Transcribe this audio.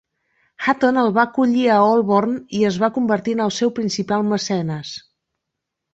Hatton el va acollir a Holborn i es va convertir en el seu principal mecenes.